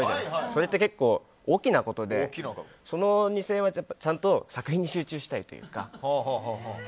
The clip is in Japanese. それって結構大きなことでその２０００円は、ちゃんと作品に集中したいというか。